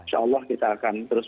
insya allah kita akan terus